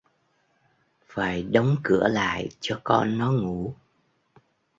Phải Đóng cửa lại cho con nó ngủ